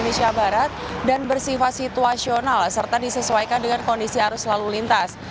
kondisi perjalanan ke jantung dan jalan jalan jalan juga sudah disiapkan dengan kondisi arus lalu lintas